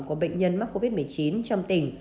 của bệnh nhân mắc covid một mươi chín trong tỉnh